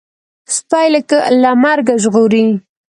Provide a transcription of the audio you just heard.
سپى له مرګه ژغوري.